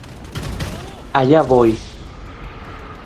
Allá voy